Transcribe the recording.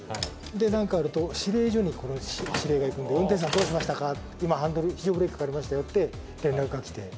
何かあると、司令所にこのしれいが行くんで、運転士さん、どうしましたか、今、非常ブレーキかかりましたよって連絡が来て。